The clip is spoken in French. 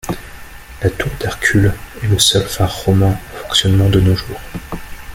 La tour d'Hercule est le seul phare romain en fonctionnement de nos jours.